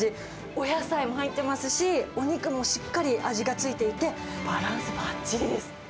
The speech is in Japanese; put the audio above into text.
お野菜も入ってますし、お肉もしっかり味が付いていて、バランスばっちりです。